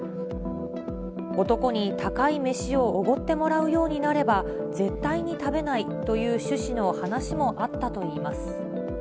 男に高い飯をおごってもらうようになれば、絶対に食べないという趣旨の話もあったといいます。